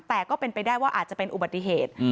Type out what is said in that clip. แต่ก็เป็นไปได้ว่าอาจจะเป็นอุบัติเหตุ